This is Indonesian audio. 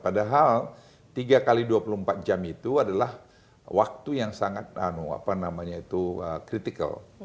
padahal tiga x dua puluh empat jam itu adalah waktu yang sangat kritikal